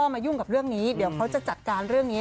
มายุ่งกับเรื่องนี้เดี๋ยวเขาจะจัดการเรื่องนี้